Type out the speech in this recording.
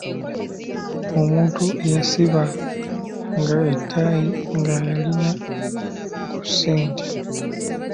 Omuntu eyasibanga ettaayi nga y'alina ku ssente